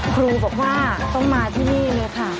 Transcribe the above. ครูบอกว่าต้องมาที่นี่เลยค่ะ